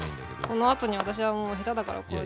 このあとに私はもう下手だからこうやって。